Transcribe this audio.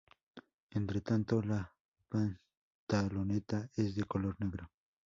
Entre tanto la pantaloneta es de color negro.